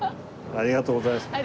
ありがとうございます。